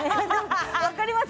分かります